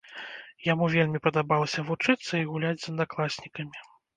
Яму вельмі падабалася вучыцца і гуляць з аднакласнікамі.